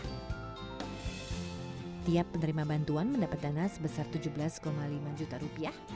setiap penerima bantuan mendapat dana sebesar tujuh belas lima juta rupiah